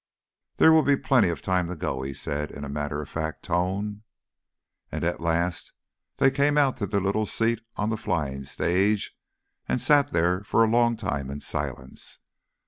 "There will be plenty of time to go," he said, in a matter of fact tone. And at last they came out to their little seat on the flying stage, and sat there for a long time in silence.